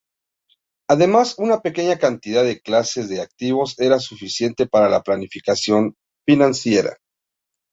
Además, una pequeña cantidad de clases de activos era suficiente para la planificación financiera.